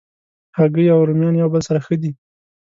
هګۍ او رومیان یو بل سره ښه دي.